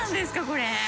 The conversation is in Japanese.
これ。